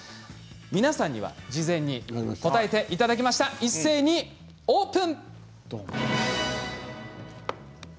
皆さんに事前に答えていただきました、一斉にオープン。